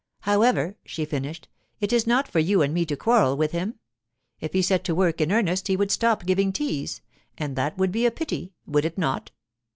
However,' she finished, 'it is not for you and me to quarrel with him. If he set to work in earnest he would stop giving teas, and that would be a pity, would it not?